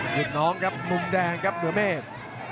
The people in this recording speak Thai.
พี่น้องครับมุมแดงครับเหนือเมฆ